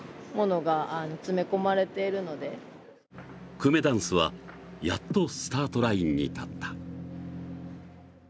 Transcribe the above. くめだんすはやっとスタートラインに立った。